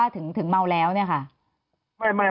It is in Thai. ถึงเมาแล้วเนี่ยค่ะ